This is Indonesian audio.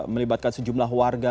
melibatkan sejumlah warga